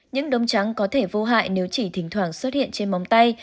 những đống trắng có thể vô hại nếu chỉ thỉnh thoảng xuất hiện trên móng tay